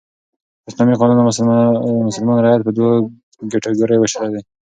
اسلامي قانون نامسلمان رعیت په دوو کېټه ګوریو ویشلى دئ.